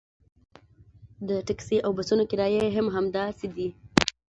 د ټکسي او بسونو کرایې هم همداسې دي.